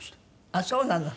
ああそうなの？